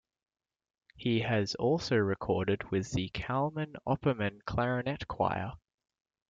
He has also recorded with the Kalmen Opperman Clarinet Choir.